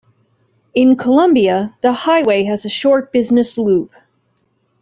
In Columbia, the highway has a short business loop.